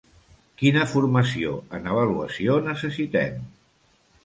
Quina formació en avaluació necessitem?